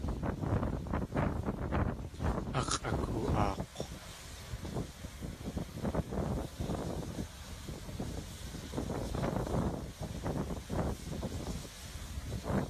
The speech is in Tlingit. Ax̲ʼakoo.aak̲w.